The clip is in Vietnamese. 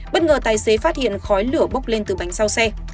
bất ngờ tài xế phát hiện khói lửa bốc lên từ bánh sau xe